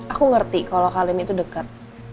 aku ngerti kalau kalian itu dekat